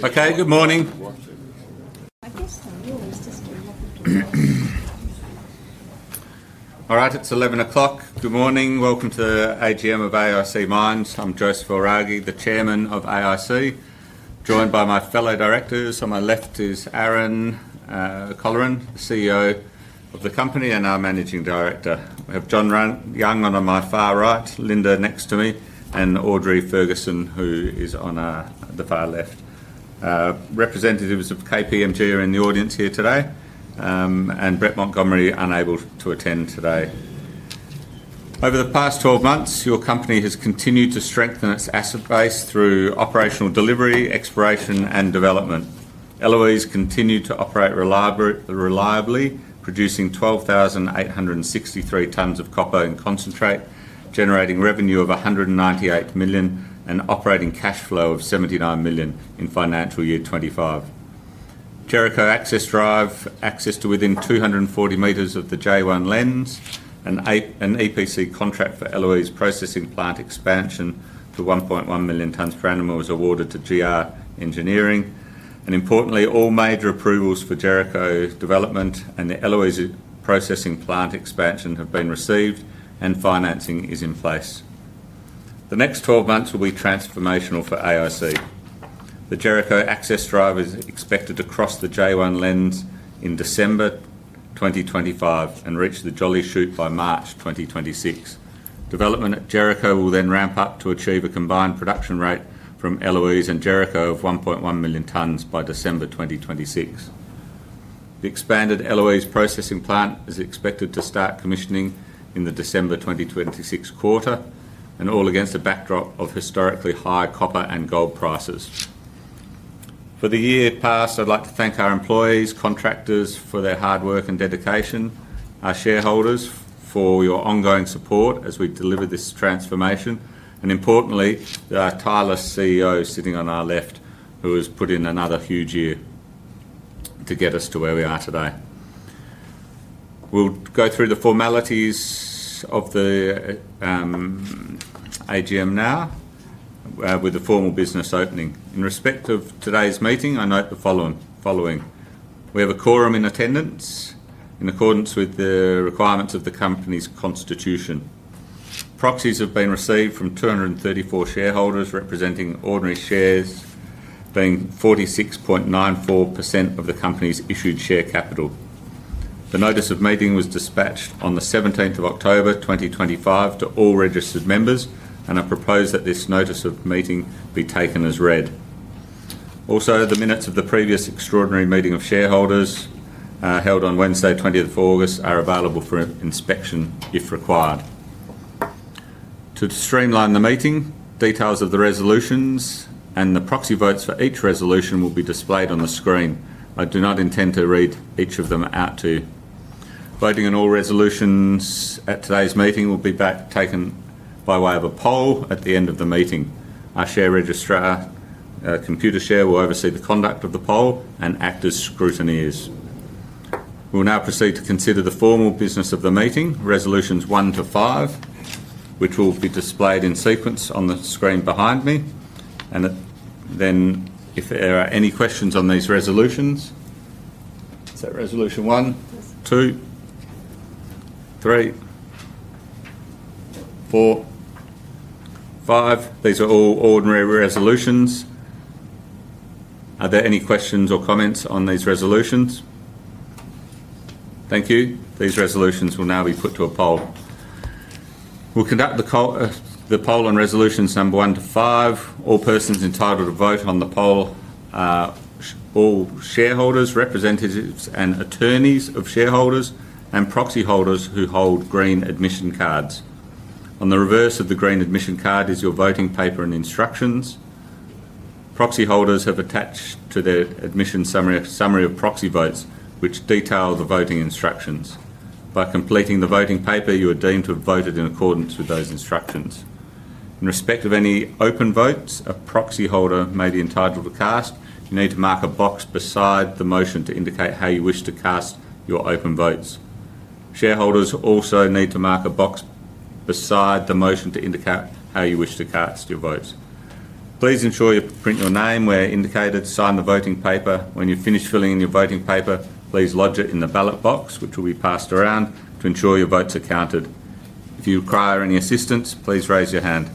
Okay, good morning. All right, it's 11:00 A.M. Good morning. Welcome to AGM of AIC Mines. I'm Joseph Oraghi, the Chairman of AIC, joined by my fellow directors. On my left is Aaron Colleran, the CEO of the company and our Managing Director. We have Jon Young on my far right, Linda next to me, and Audrey Ferguson, who is on the far left. Representatives of KPMG are in the audience here today, and Brett Montgomery is unable to attend today. Over the past 12 months, your company has continued to strengthen its asset base through operational delivery, exploration, and development. Eloise continued to operate reliably, producing 12,863 tons of copper in concentrate, generating revenue of 198 million and operating cash flow of 79 million in financial year 2025. Jericho access drive, access to within 240 m of the J1 lens, an EPC contract for Eloise processing plant expansion to 1.1 million tons per annum was awarded to GR Engineering. Importantly, all major approvals for Jericho development and the Eloise processing plant expansion have been received, and financing is in place. The next 12 months will be transformational for AIC. The Jericho access drive is expected to cross the J1 lens in December 2025 and reach the Jolly Shoot by March 2026. Development at Jericho will then ramp up to achieve a combined production rate from Eloise and Jericho of 1.1 million tons by December 2026. The expanded Eloise processing plant is expected to start commissioning in the December 2026 quarter, all against a backdrop of historically high copper and gold prices. For the year past, I'd like to thank our employees, contractors for their hard work and dedication, our shareholders for your ongoing support as we deliver this transformation, and importantly, the tireless CEO sitting on our left who has put in another huge year to get us to where we are today. We'll go through the formalities of the AGM now with the formal business opening. In respect of today's meeting, I note the following. We have a quorum in attendance in accordance with the requirements of the company's constitution. Proxies have been received from 234 shareholders representing ordinary shares, being 46.94% of the company's issued share capital. The notice of meeting was dispatched on the 17th of October 2025 to all registered members, and I propose that this notice of meeting be taken as read. Also, the minutes of the previous extraordinary meeting of shareholders held on Wednesday, 20th of August, are available for inspection if required. To streamline the meeting, details of the resolutions and the proxy votes for each resolution will be displayed on the screen. I do not intend to read each of them out to you. Voting on all resolutions at today's meeting will be taken by way of a poll at the end of the meeting. Our share registrar, Computershare, will oversee the conduct of the poll and act as scrutineers. We'll now proceed to consider the formal business of the meeting, resolutions one to five, which will be displayed in sequence on the screen behind me. If there are any questions on these resolutions—is that resolution one? Two? Three? Four? Five? These are all ordinary resolutions. Are there any questions or comments on these resolutions? Thank you. These resolutions will now be put to a poll. We'll conduct the poll on resolutions number one to five. All persons entitled to vote on the poll are all shareholders, representatives, and attorneys of shareholders and proxy holders who hold green admission cards. On the reverse of the green admission card is your voting paper and instructions. Proxy holders have attached to their admission summary of proxy votes, which detail the voting instructions. By completing the voting paper, you are deemed to have voted in accordance with those instructions. In respect of any open votes a proxy holder may be entitled to cast, you need to mark a box beside the motion to indicate how you wish to cast your open votes. Shareholders also need to mark a box beside the motion to indicate how you wish to cast your votes. Please ensure you print your name where indicated. Sign the voting paper. When you finish filling in your voting paper, please lodge it in the ballot box, which will be passed around to ensure your votes are counted. If you require any assistance, please raise your hand.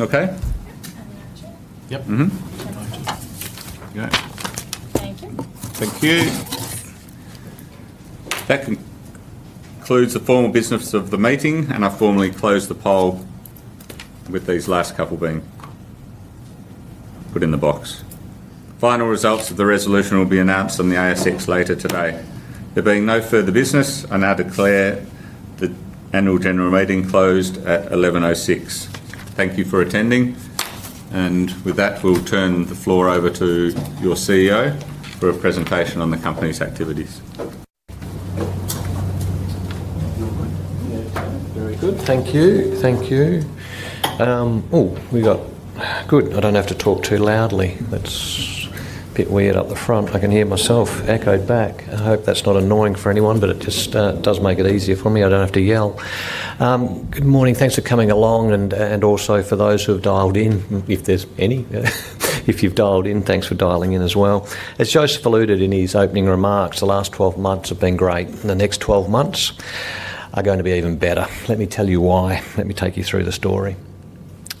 Okay? Yep. Thank you. That concludes the formal business of the meeting, and I formally close the poll with these last couple being put in the box. Final results of the resolution will be announced on the ASX later today. There being no further business, I now declare the annual general meeting closed at 11:06 A.M. Thank you for attending. With that, we'll turn the floor over to your CEO for a presentation on the company's activities. Very good. Thank you. Thank you. Oh, we got good. I do not have to talk too loudly. That is a bit weird up the front. I can hear myself echoed back. I hope that is not annoying for anyone, but it just does make it easier for me. I do not have to yell. Good morning. Thanks for coming along. Also for those who have dialed in, if there is any, if you have dialed in, thanks for dialing in as well. As Joseph alluded in his opening remarks, the last 12 months have been great. The next 12 months are going to be even better. Let me tell you why. Let me take you through the story.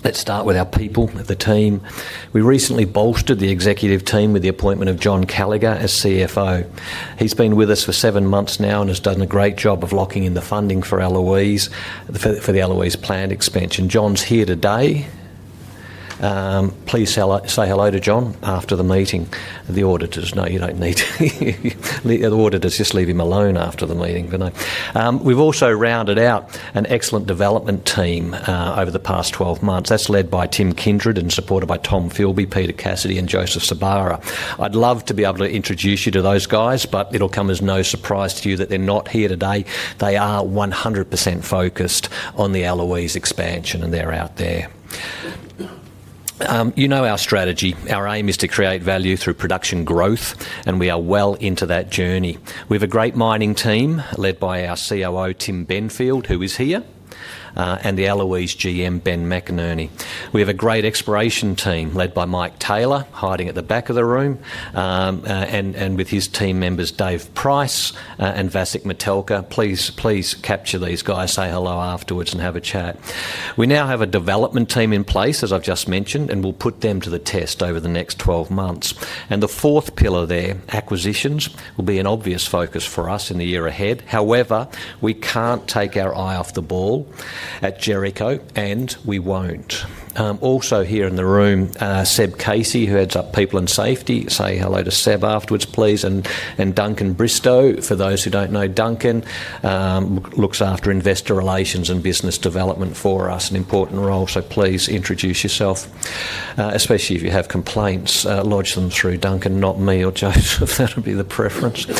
Let us start with our people, the team. We recently bolstered the executive team with the appointment of John Callagher as CFO. He's been with us for seven months now and has done a great job of locking in the funding for Eloise, for the Eloise plant expansion. John's here today. Please say hello to John after the meeting. The auditors. No, you don't need to. The auditors just leave him alone after the meeting. We've also rounded out an excellent development team over the past 12 months. That's led by Tim Kindred and supported by Tom Filby, Peter Cassidy, and Joseph Sabara. I'd love to be able to introduce you to those guys, but it'll come as no surprise to you that they're not here today. They are 100% focused on the Eloise expansion, and they're out there. You know our strategy. Our aim is to create value through production growth, and we are well into that journey. We have a great mining team led by our COO, Tim Benfield, who is here, and the Eloise GM, Ben McInerney. We have a great exploration team led by Mike Taylor, hiding at the back of the room, and with his team members, Dave Price and Vasek Metelka. Please capture these guys, say hello afterwards, and have a chat. We now have a development team in place, as I've just mentioned, and we will put them to the test over the next 12 months. The fourth pillar there, acquisitions, will be an obvious focus for us in the year ahead. However, we cannot take our eye off the ball at Jericho, and we will not. Also here in the room, Seb Casey, who heads up people and safety, say hello to Seb afterwards, please. Duncan Bristow, for those who do not know, Duncan looks after investor relations and business development for us, an important role. Please introduce yourself, especially if you have complaints. Lodge them through Duncan, not me or Joseph. That will be the preference. It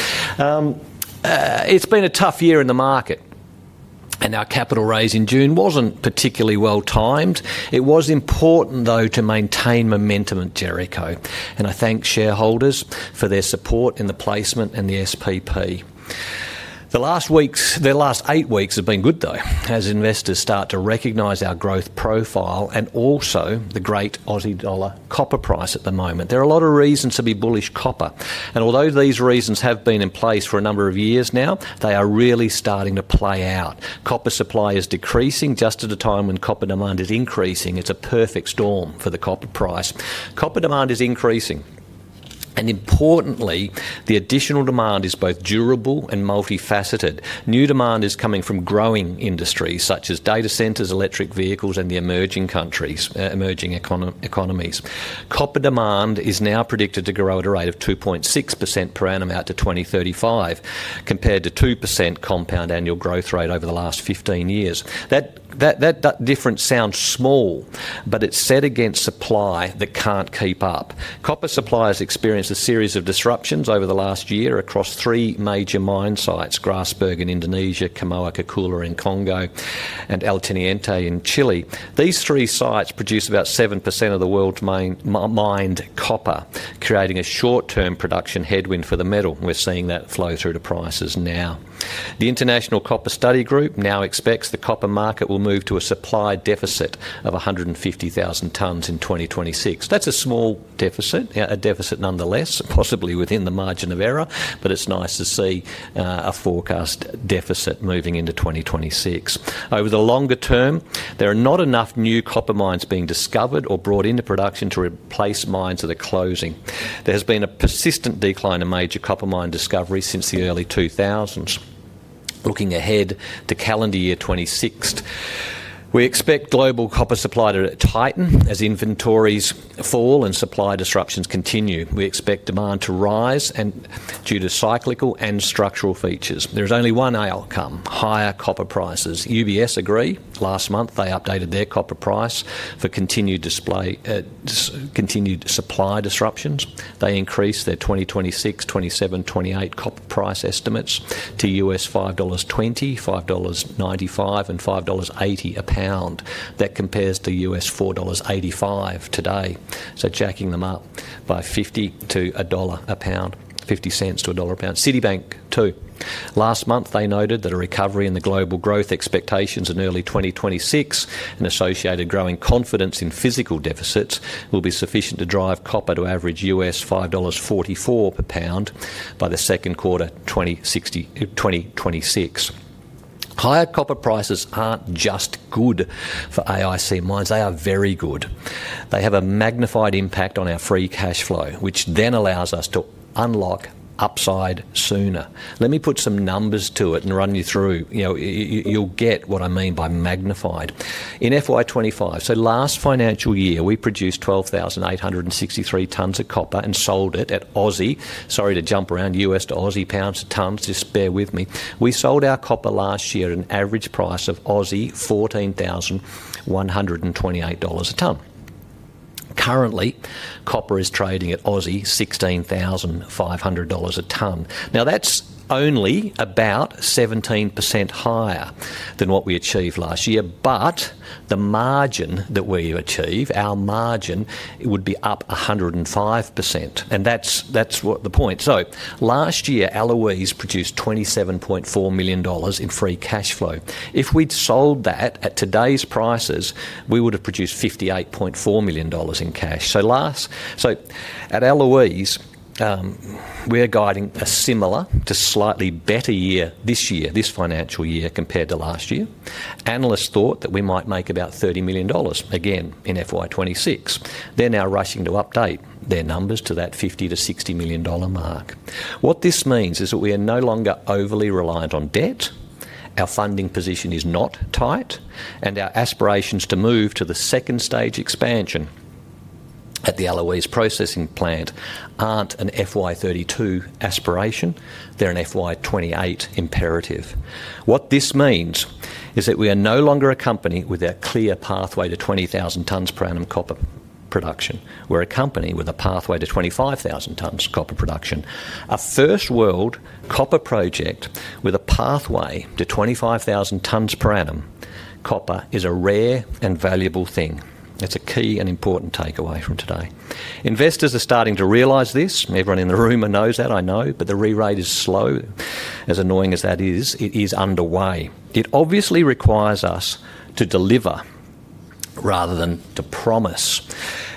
has been a tough year in the market, and our capital raise in June was not particularly well timed. It was important, though, to maintain momentum at Jericho, and I thank shareholders for their support in the placement and the SPP. The last weeks, the last eight weeks have been good, though, as investors start to recognize our growth profile and also the great Aussie dollar copper price at the moment. There are a lot of reasons to be bullish copper. Although these reasons have been in place for a number of years now, they are really starting to play out. Copper supply is decreasing just at a time when copper demand is increasing. It's a perfect storm for the copper price. Copper demand is increasing. Importantly, the additional demand is both durable and multifaceted. New demand is coming from growing industries such as data centers, electric vehicles, and the emerging economies. Copper demand is now predicted to grow at a rate of 2.6% per annum out to 2035, compared to 2% compound annual growth rate over the last 15 years. That difference sounds small, but it's set against supply that can't keep up. Copper suppliers experienced a series of disruptions over the last year across three major mine sites: Grasberg in Indonesia, Kamoa-Kakula in Congo, and El Teniente in Chile. These three sites produce about 7% of the world's mined copper, creating a short-term production headwind for the metal. We're seeing that flow through to prices now. The International Copper Study Group now expects the copper market will move to a supply deficit of 150,000 tonnes in 2026. That's a small deficit, a deficit nonetheless, possibly within the margin of error, but it's nice to see a forecast deficit moving into 2026. Over the longer term, there are not enough new copper mines being discovered or brought into production to replace mines that are closing. There has been a persistent decline in major copper mine discovery since the early 2000s. Looking ahead to calendar year 2026, we expect global copper supply to tighten as inventories fall and supply disruptions continue. We expect demand to rise due to cyclical and structural features. There is only one outcome: higher copper prices. UBS agree. Last month, they updated their copper price for continued supply disruptions. They increased their 2026, 2027, 2028 copper price estimates to $5.20, $5.95, and $5.80 a pound. That compares to $4.85 today. Jacking them up by $0.50 to $1.00 a pound, $0.50 to $1.00 a pound. Citibank too. Last month, they noted that a recovery in the global growth expectations in early 2026 and associated growing confidence in physical deficits will be sufficient to drive copper to average $5.44 per pound by the second quarter 2026. Higher copper prices are not just good for AIC Mines. They are very good. They have a magnified impact on our free cash flow, which then allows us to unlock upside sooner. Let me put some numbers to it and run you through. You will get what I mean by magnified. In FY 2025, so last financial year, we produced 12,863 tons of copper and sold it at Aussie—sorry to jump around—US to Aussie pounds a ton. Just bear with me. We sold our copper last year at an average price of 14,128 Aussie dollars a ton. Currently, copper is trading at 16,500 Aussie dollars a ton. Now, that's only about 17% higher than what we achieved last year, but the margin that we achieve, our margin, would be up 105%. And that's the point. Last year, Eloise produced 27.4 million dollars in free cash flow. If we'd sold that at today's prices, we would have produced 58.4 million dollars in cash. At Eloise, we're guiding a similar to slightly better year this year, this financial year compared to last year. Analysts thought that we might make about 30 million dollars again in FY 2026. They're now rushing to update their numbers to that $50 million-$60 million mark. What this means is that we are no longer overly reliant on debt. Our funding position is not tight, and our aspirations to move to the second stage expansion at the Eloise processing plant are not an FY 2032 aspiration. They're an FY 2028 imperative. What this means is that we are no longer a company with a clear pathway to 20,000 tons per annum copper production. We're a company with a pathway to 25,000 tons copper production. A first-world copper project with a pathway to 25,000 tons per annum copper is a rare and valuable thing. It's a key and important takeaway from today. Investors are starting to realize this. Everyone in the room knows that, I know, but the rerate is slow. As annoying as that is, it is underway. It obviously requires us to deliver rather than to promise.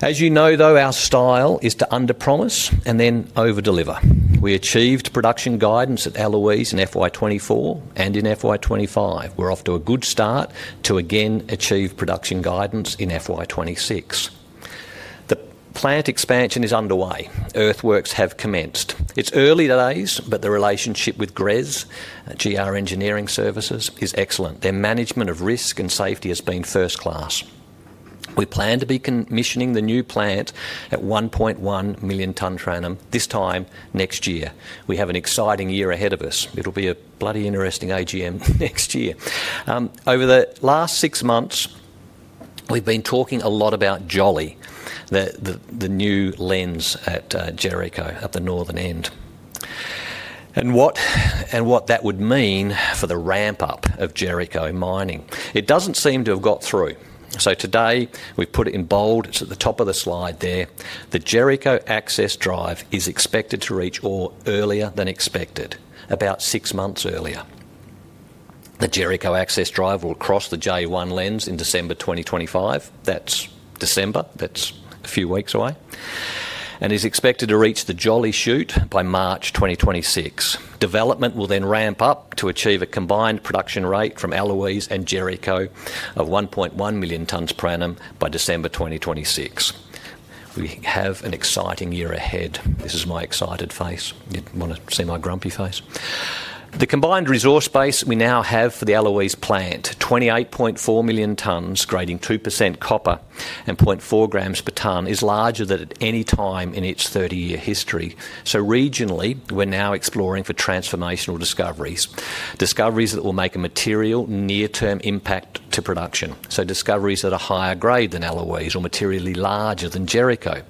As you know, though, our style is to under-promise and then over-deliver. We achieved production guidance at Eloise in FY 2024 and in FY 2025. We're off to a good start to again achieve production guidance in FY 2026. The plant expansion is underway. Earthworks have commenced. It's early days, but the relationship with GR Engineering Services is excellent. Their management of risk and safety has been first-class. We plan to be commissioning the new plant at 1.1 million tons per annum this time next year. We have an exciting year ahead of us. It'll be a bloody interesting AGM next year. Over the last six months, we've been talking a lot about Jolly, the new lens at Jericho at the northern end, and what that would mean for the ramp-up of Jericho mining. It doesn't seem to have got through. Today, we've put it in bold. It's at the top of the slide there. The Jericho access drive is expected to reach ore earlier than expected, about six months earlier. The Jericho access drive will cross the J1 lens in December 2025. That's December. That's a few weeks away. It's expected to reach the Jolly Shoot by March 2026. Development will then ramp up to achieve a combined production rate from Eloise and Jericho of 1.1 million tons per annum by December 2026. We have an exciting year ahead. This is my excited face. You want to see my grumpy face? The combined resource base we now have for the Eloise plant, 28.4 million tons, grading 2% copper and 0.4 gram per ton, is larger than at any time in its 30-year history. Regionally, we're now exploring for transformational discoveries, discoveries that will make a material near-term impact to production. Discoveries that are higher grade than Eloise or materially larger than Jericho.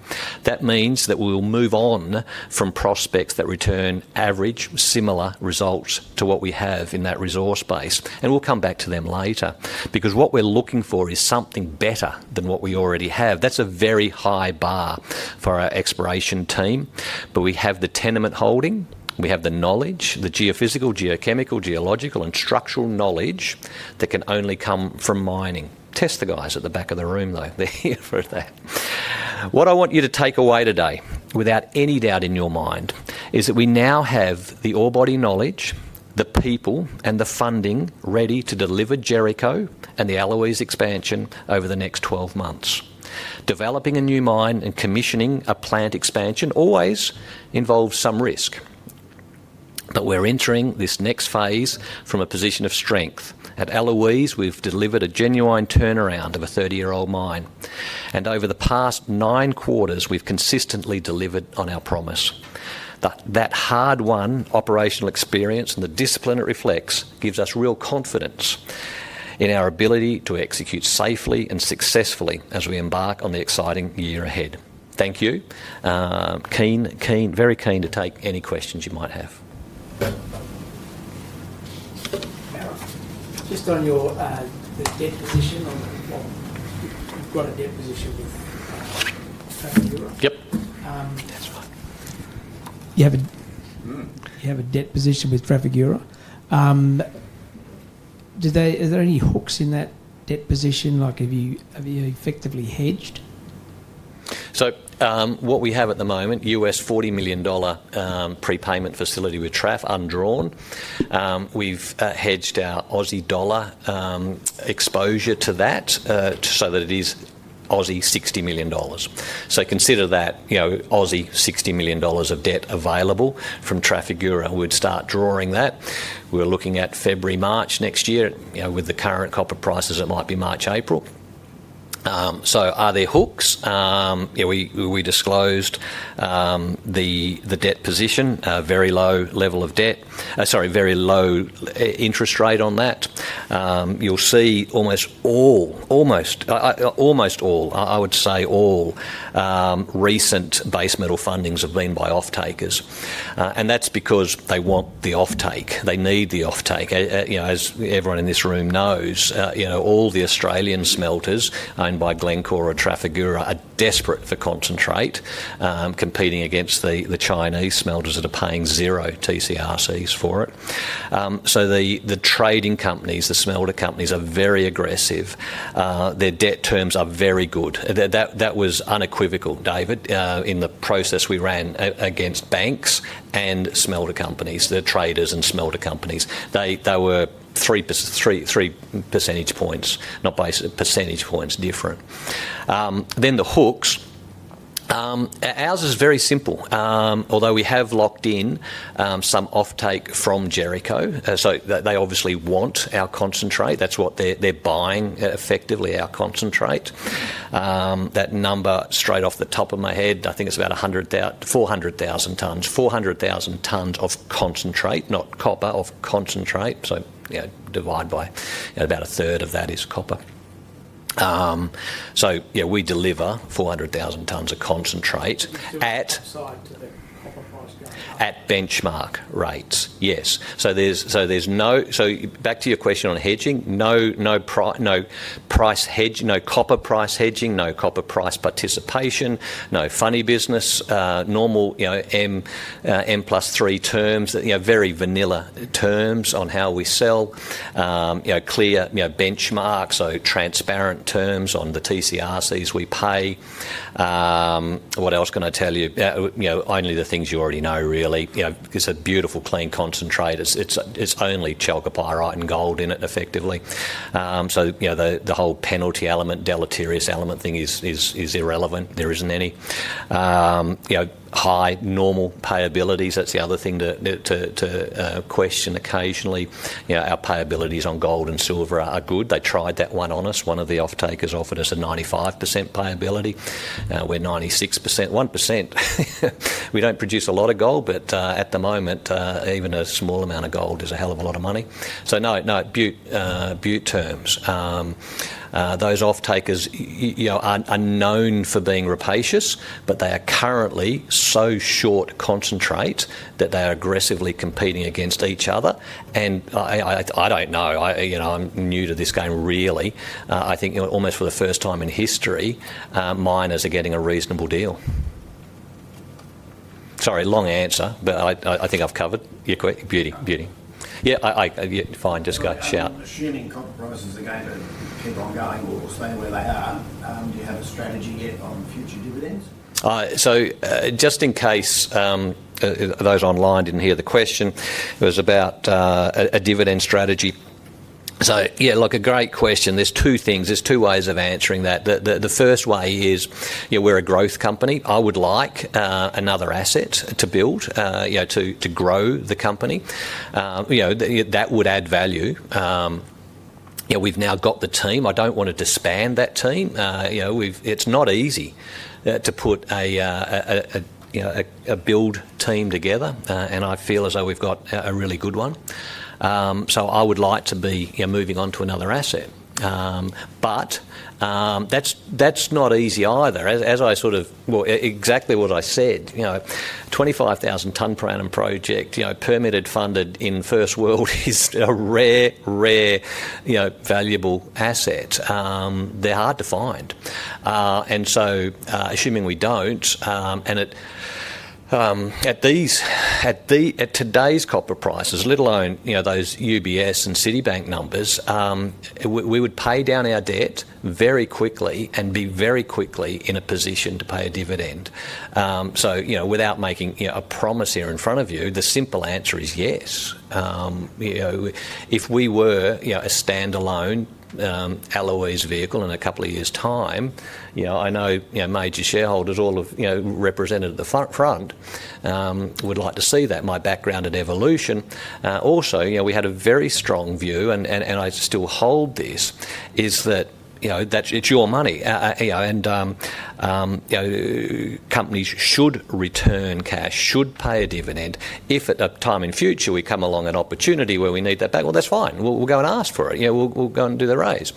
That means that we will move on from prospects that return average similar results to what we have in that resource base. We'll come back to them later because what we're looking for is something better than what we already have. That's a very high bar for our exploration team. We have the tenement holding. We have the knowledge, the geophysical, geochemical, geological, and structural knowledge that can only come from mining. Test the guys at the back of the room, though. They're here for that. What I want you to take away today, without any doubt in your mind, is that we now have the ore body knowledge, the people, and the funding ready to deliver Jericho and the Eloise expansion over the next 12 months. Developing a new mine and commissioning a plant expansion always involves some risk. We are entering this next phase from a position of strength. At Eloise, we have delivered a genuine turnaround of a 30-year-old mine. Over the past nine quarters, we have consistently delivered on our promise. That hard-won operational experience and the discipline it reflects gives us real confidence in our ability to execute safely and successfully as we embark on the exciting year ahead. Thank you. Keen, keen, very keen to take any questions you might have. Just on your debt position, you have a debt position with Trafigura? Yep. That is right. You have a debt position with Trafigura. Is there any hooks in that debt position? Have you effectively hedged? What we have at the moment, $40 million prepayment facility with Traf undrawn. We've hedged our Aussie dollar exposure to that so that it is 60 million Aussie dollars. Consider that 60 million Aussie dollars of debt available from Trafigura would start drawing that. We're looking at February, March next year. With the current copper prices, it might be March, April. Are there hooks? We disclosed the debt position, very low level of debt. Sorry, very low interest rate on that. You'll see almost all, almost all, I would say all recent base metal fundings have been by off-takers. That's because they want the off-take. They need the off-take. As everyone in this room knows, all the Australian smelters owned by Glencore or Trafigura are desperate for concentrate, competing against the Chinese smelters that are paying zero TCRCs for it. The trading companies, the smelter companies are very aggressive. Their debt terms are very good. That was unequivocal, David, in the process we ran against banks and smelter companies, the traders and smelter companies. They were three percentage points, not percentage points, different. Then the hooks. Ours is very simple. Although we have locked in some off-take from Jericho, so they obviously want our concentrate. That's what they're buying, effectively, our concentrate. That number, straight off the top of my head, I think it's about 400,000 tons. 400,000 tons of concentrate, not copper, of concentrate. Divide by about 1/3 of that is copper. We deliver 400,000 tons of concentrate at benchmark rates. Yes. There is no—back to your question on hedging, no price hedging, no copper price hedging, no copper price participation, no funny business, normal M plus three terms, very vanilla terms on how we sell, clear benchmarks, so transparent terms on the TCRCs we pay. What else can I tell you? Only the things you already know, really. It is a beautiful, clean concentrate. It is only chalk up higher right and gold in it, effectively. So the whole penalty element, deleterious element thing is irrelevant. There is not any high normal payabilities. That is the other thing to question occasionally. Our payabilities on gold and silver are good. They tried that one on us. One of the off-takers offered us a 95% payability. We are 96%, 1%. We do not produce a lot of gold, but at the moment, even a small amount of gold is a hell of a lot of money. No, no, Bute terms. Those off-takers are known for being rapacious, but they are currently so short concentrate that they are aggressively competing against each other. I do not know. I am new to this game, really. I think almost for the first time in history, miners are getting a reasonable deal. Sorry, long answer, but I think I have covered your question. Beauty. Beauty. Yeah, fine. Just go shout. Assuming copper prices are going to keep on going or stay where they are, do you have a strategy yet on future dividends? Just in case those online did not hear the question, it was about a dividend strategy. Yeah, look, a great question. There are two things. There are two ways of answering that. The first way is we are a growth company. I would like another asset to build to grow the company. That would add value. We've now got the team. I don't want to disband that team. It's not easy to put a build team together, and I feel as though we've got a really good one. I would like to be moving on to another asset. That is not easy either. As I sort of—well, exactly what I said. 25,000 tons per annum project, permitted, funded in first world is a rare, rare valuable asset. They're hard to find. Assuming we don't, and at today's copper prices, let alone those UBS and Citibank numbers, we would pay down our debt very quickly and be very quickly in a position to pay a dividend. Without making a promise here in front of you, the simple answer is yes. If we were a standalone Eloise vehicle in a couple of years' time, I know major shareholders, all of represented at the front, would like to see that. My background and evolution. Also, we had a very strong view, and I still hold this, is that it's your money. Companies should return cash, should pay a dividend. If at a time in future we come along an opportunity where we need that back, that's fine. We'll go and ask for it. We'll go and do the raise.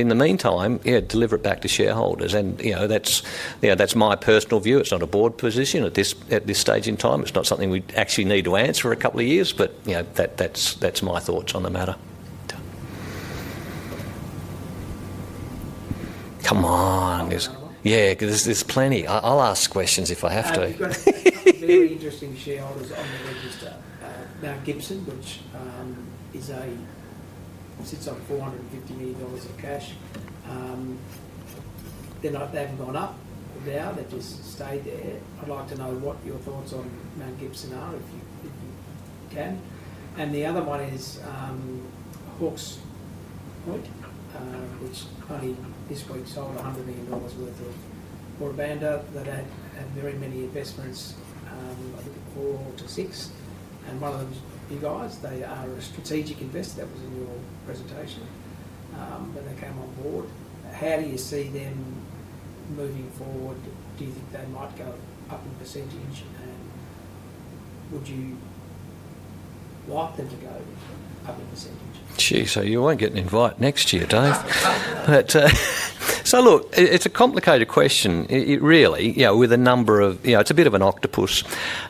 In the meantime, deliver it back to shareholders. That's my personal view. It's not a board position at this stage in time. It's not something we actually need to answer a couple of years, but that's my thoughts on the matter. Come on. Yeah, there's plenty. I'll ask questions if I have to. Very interesting shareholders on the register. Mount Gibson Iron, which sits on 450 million dollars of cash, they have not gone up now. They just stayed there. I would like to know what your thoughts on Mount Gibson Iron are, if you can. The other one is Hawks Point Capital, which only this week sold 100 million dollars worth of [Orlando] that had very many investments with the core to six. One of them is you guys. They are a strategic investor. That was in your presentation when they came on board. How do you see them moving forward? Do you think they might go up in percentage, and would you like them to go up in percentage? Gee, you will not get an invite next year, Dave. It is a complicated question, really, with a number of—it is a bit of an octopus.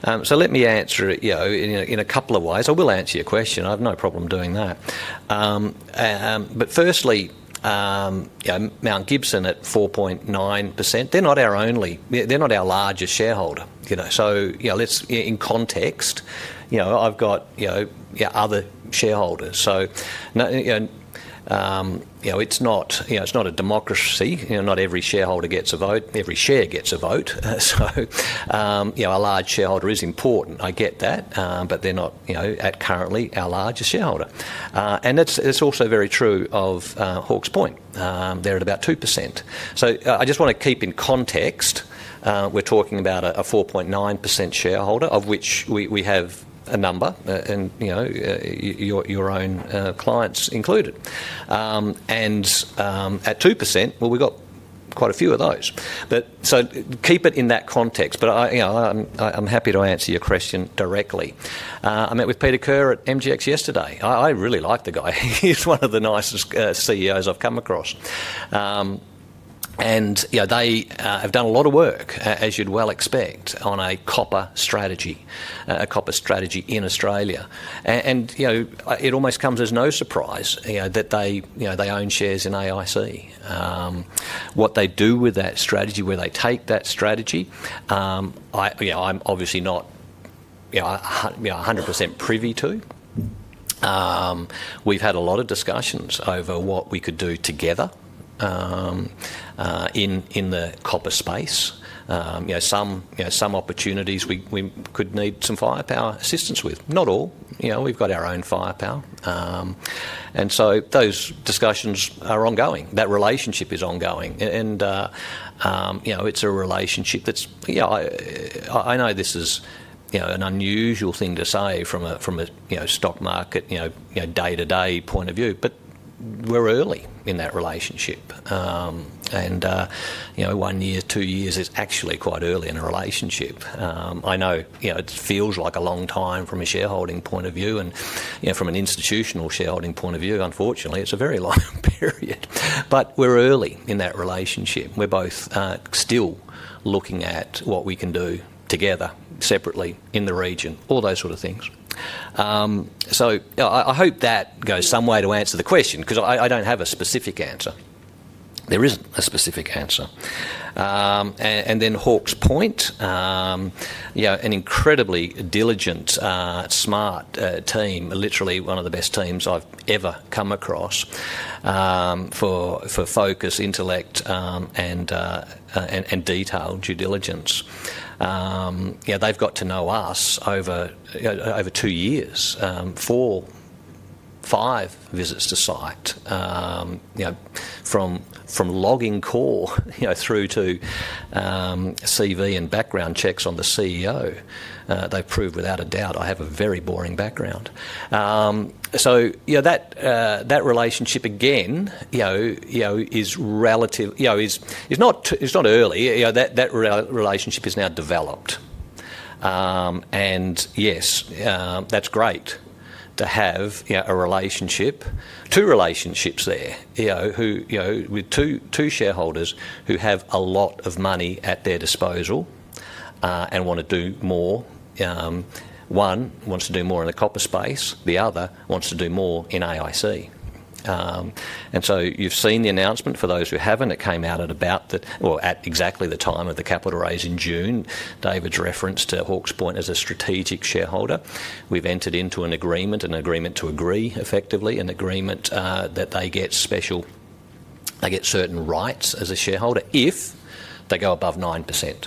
Let me answer it in a couple of ways. I will answer your question. I have no problem doing that. Firstly, Mount Gibson at 4.9%—they're not our only, they're not our largest shareholder. In context, I've got other shareholders. It's not a democracy. Not every shareholder gets a vote. Every share gets a vote. A large shareholder is important, I get that, but they're not currently our largest shareholder. It's also very true of Hawks Point. They're at about 2%. I just want to keep in context, we're talking about a 4.9% shareholder, of which we have a number, and your own clients included. At 2%, we've got quite a few of those. Keep it in that context. I'm happy to answer your question directly. I met with Peter Kerr at Mount Gibson Iron yesterday. I really like the guy. He's one of the nicest CEOs I've come across. They have done a lot of work, as you'd well expect, on a copper strategy, a copper strategy in Australia. It almost comes as no surprise that they own shares in AIC. What they do with that strategy, where they take that strategy, I'm obviously not 100% privy to. We've had a lot of discussions over what we could do together in the copper space. Some opportunities we could need some firepower assistance with. Not all. We've got our own firepower. Those discussions are ongoing. That relationship is ongoing. It's a relationship that's—I know this is an unusual thing to say from a stock market day-to-day point of view, but we're early in that relationship. One year, two years is actually quite early in a relationship. I know it feels like a long time from a shareholding point of view. From an institutional shareholding point of view, unfortunately, it's a very long period. We're early in that relationship. We're both still looking at what we can do together, separately, in the region, all those sort of things. I hope that goes some way to answer the question because I don't have a specific answer. There isn't a specific answer. Hawks Point, an incredibly diligent, smart team, literally one of the best teams I've ever come across for focus, intellect, and detailed due diligence. They've got to know us over two years, four-five visits to site. From logging core through to CV and background checks on the CEO, they've proved without a doubt I have a very boring background. That relationship, again, is relative; it's not early. That relationship is now developed. Yes, that's great to have a relationship, two relationships there, with two shareholders who have a lot of money at their disposal and want to do more. One wants to do more in the copper space. The other wants to do more in AIC. You have seen the announcement. For those who have not, it came out at exactly the time of the capital raise in June. David referenced Hawks Point as a strategic shareholder. We have entered into an agreement, an agreement to agree, effectively, an agreement that they get certain rights as a shareholder if they go above 9%.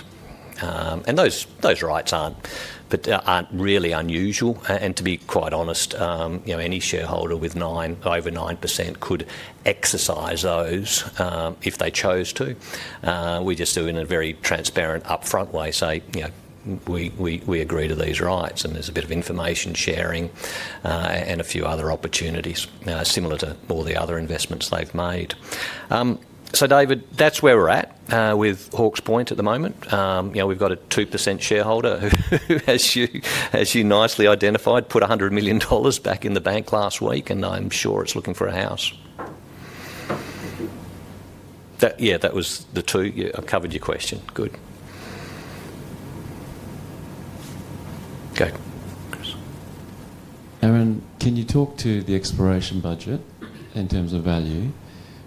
Those rights are not really unusual. To be quite honest, any shareholder with over 9% could exercise those if they chose to. We just do it in a very transparent, upfront way. Say we agree to these rights, and there's a bit of information sharing and a few other opportunities similar to all the other investments they've made. David, that's where we're at with Hawks Point at the moment. We've got a 2% shareholder who, as you nicely identified, put 100 million dollars back in the bank last week, and I'm sure it's looking for a house. Yeah, that was the two—I have covered your question. Good. Okay. Aaron, can you talk to the exploration budget in terms of value,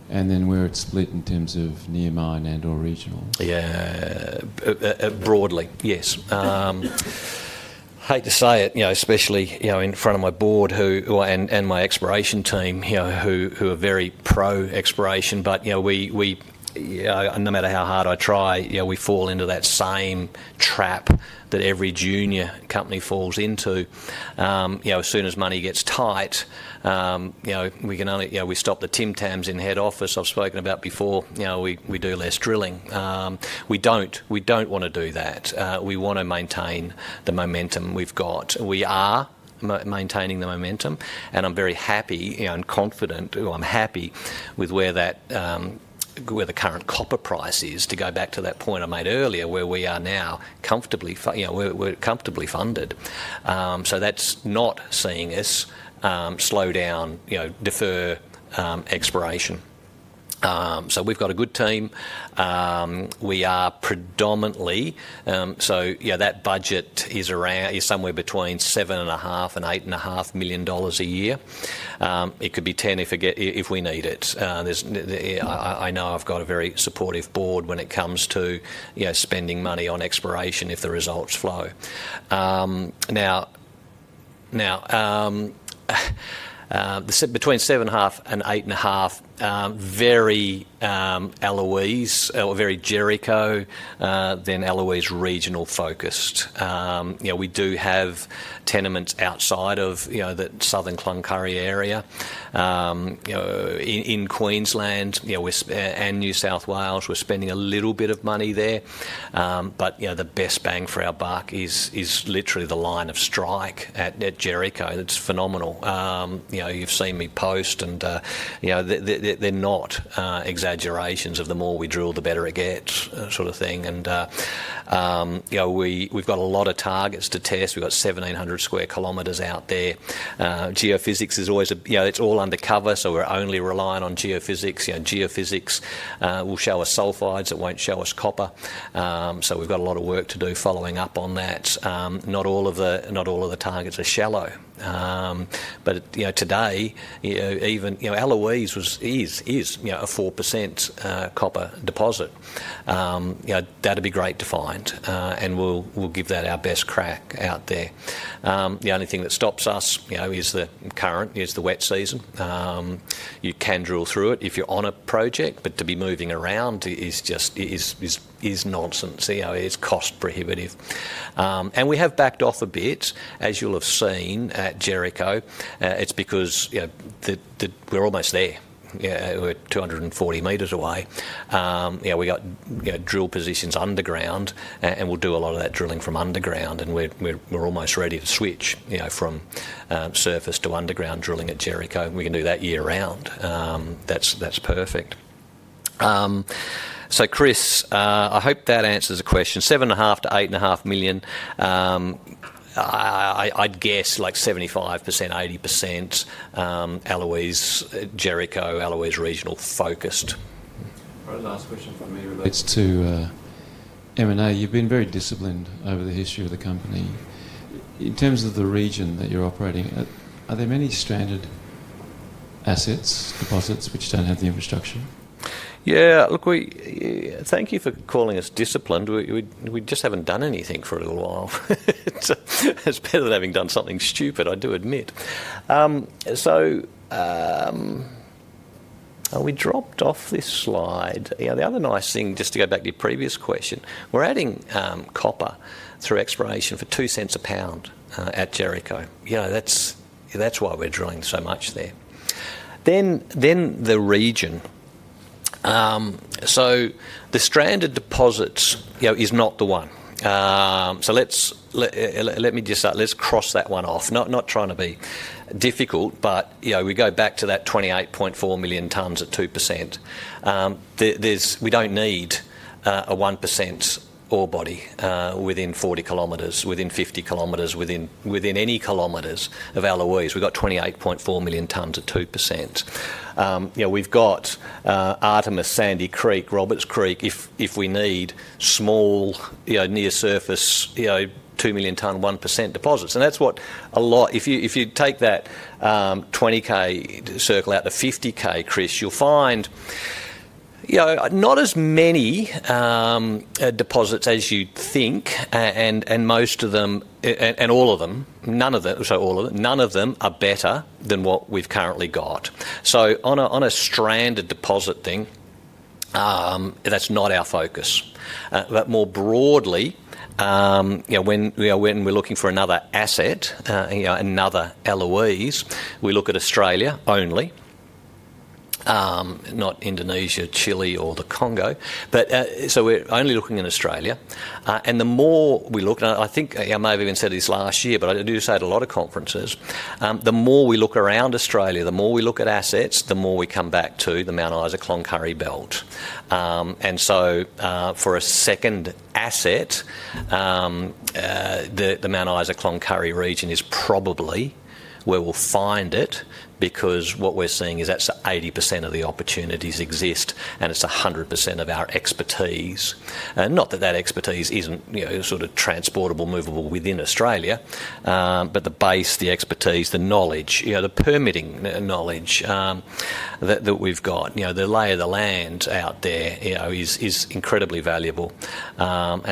and then where it's split in terms of near mine and/or regional? Yeah, broadly. Yes. Hate to say it, especially in front of my board and my exploration team who are very pro exploration. No matter how hard I try, we fall into that same trap that every junior company falls into. As soon as money gets tight, we stop the Tim Tams in head office. I've spoken about before. We do less drilling. We don't want to do that. We want to maintain the momentum we've got. We are maintaining the momentum. I am very happy and confident, or I am happy with where the current copper price is to go back to that point I made earlier where we are now comfortably funded. That is not seeing us slow down, defer exploration. We have a good team. We are predominantly—so that budget is somewhere between 7.5 million dollars and AUD 8.5 million a year. It could be 10 million if we need it. I know I have a very supportive board when it comes to spending money on exploration if the results flow. Now, between 7.5 million and AUD 8.5 million a year, very Eloise or very Jericho, then Eloise regional-focused. We do have tenements outside of the southern Cloncurry area. In Queensland and New South Wales, we're spending a little bit of money there. The best bang for our buck is literally the line of strike at Jericho. It's phenomenal. You've seen me post, and they're not exaggerations of the more we drill, the better it gets sort of thing. We've got a lot of targets to test. We've got 1,700 sq km out there. Geophysics is always—it's all undercover, so we're only relying on geophysics. Geophysics will show us sulfides. It will not show us copper. We've got a lot of work to do following up on that. Not all of the targets are shallow. Today, even Eloise is a 4% copper deposit. That'd be great to find, and we'll give that our best crack out there. The only thing that stops us is the current; it's the wet season. You can drill through it if you're on a project, but to be moving around is nonsense. It's cost prohibitive. We have backed off a bit, as you'll have seen, at Jericho. It's because we're almost there. We're 240 m away. We've got drill positions underground, and we'll do a lot of that drilling from underground. We're almost ready to switch from surface to underground drilling at Jericho. We can do that year-round. That's perfect. Chris, I hope that answers the question. $7.5 million-$8.5 million. I'd guess like 75%-80% Eloise Jericho, Eloise regional-focused. Last question from me relates to M&A. You've been very disciplined over the history of the company. In terms of the region that you're operating, are there many stranded assets, deposits which don't have the infrastructure? Yeah. Look, thank you for calling us disciplined. We just haven't done anything for a little while. It's better than having done something stupid, I do admit. We dropped off this slide. The other nice thing, just to go back to your previous question, we're adding copper through exploration for $0.02 a pound at Jericho. That's why we're drilling so much there. Then the region. The stranded deposits is not the one. Let me just—let's cross that one off. Not trying to be difficult, but we go back to that 28.4 million tons at 2%. We don't need a 1% ore body within 40 km, within 50 km, within any kilometers of Eloise. We've got 28.4 million tons at 2%. We've got Artemis, Sandy Creek, Roberts Creek, if we need small near-surface 2 million ton 1% deposits. If you take that 20 km circle out to the 50 km, Chris, you'll find not as many deposits as you'd think. Most of them—and all of them—none of them—sorry, all of them—none of them are better than what we've currently got. On a stranded deposit thing, that's not our focus. More broadly, when we're looking for another asset, another Eloise, we look at Australia only, not Indonesia, Chile, or the Congo. We're only looking in Australia. The more we look—and I think I may have even said this last year, but I do say it a lot at conferences—the more we look around Australia, the more we look at assets, the more we come back to the Mount Isa-Cloncurry Belt. For a second asset, the Mount Isa-Cloncurry region is probably where we'll find it because what we're seeing is that 80% of the opportunities exist, and it's 100% of our expertise. Not that that expertise isn't sort of transportable, movable within Australia, but the base, the expertise, the knowledge, the permitting knowledge that we've got, the lay of the land out there is incredibly valuable.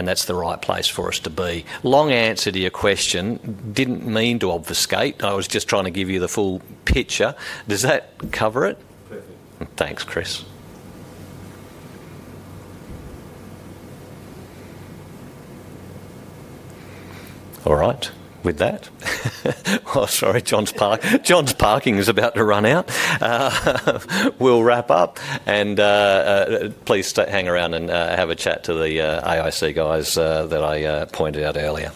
That's the right place for us to be. Long answer to your question, didn't mean to obfuscate. I was just trying to give you the full picture. Does that cover it? Perfect. Thanks, Chris. All right. With that, oh, sorry, John's parking is about to run out. We'll wrap up. Please hang around and have a chat to the AIC guys that I pointed out earlier.